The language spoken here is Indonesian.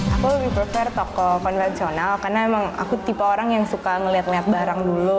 aku lebih pro fair toko konvensional karena emang aku tipe orang yang suka ngeliat liat barang dulu